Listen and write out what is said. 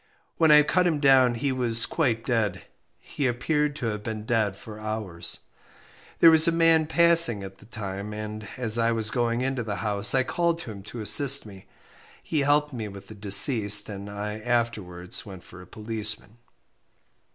When I cut him down he was quite dead; he appeared to have been dead for hours. There was a man passing at the time, and, as I was going into the house, I called to him to assist me. He helped me with the deceased, and I afterwards went for a policeman.